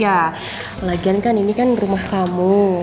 ya lagian kan ini kan rumah kamu